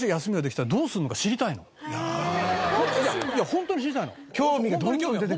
ホントに知りたいの。